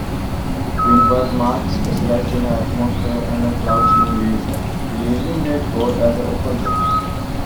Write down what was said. Windward Mark specialized in atmosphere and cloud simulation, releasing their code as open-source.